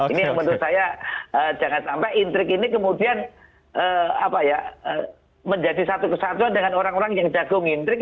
ini yang menurut saya jangan sampai intrik ini kemudian menjadi satu kesatuan dengan orang orang yang jago ngintrik